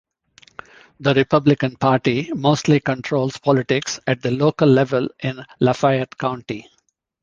The Republican Party mostly controls politics at the local level in Lafayette County.